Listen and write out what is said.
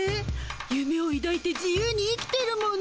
ゆめをいだいて自由に生きてるもの。